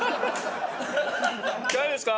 大丈夫ですか？